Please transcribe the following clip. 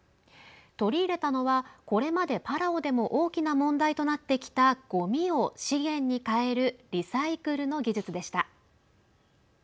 取り入れたのはこれまでパラオでも大きな問題となってきたごみを資源に変えるリサイクルの技術でした。